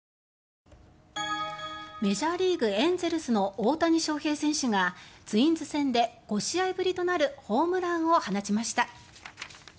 メジャーリーグ、エンゼルスの大谷翔平選手がツインズ戦で５試合ぶりとなるホームランを放ちました。